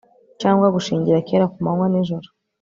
cyangwa gushingira kera kumanywa nijoro